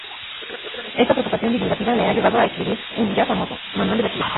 Esta preocupación divulgativa le ha llevado a escribir un ya famoso manual de bachillerato.